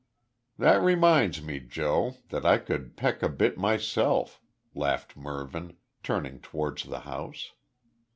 "That reminds me, Joe, that I could peck a bit myself," laughed Mervyn, turning towards the house.